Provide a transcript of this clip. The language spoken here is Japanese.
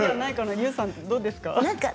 ＹＯＵさん、どうですか？